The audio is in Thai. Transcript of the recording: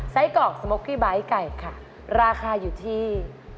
ไส้กรอกสโมคกี้บาลให้ไก่ค่ะราคาอยู่ที่